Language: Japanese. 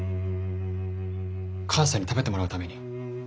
母さんに食べてもらうために。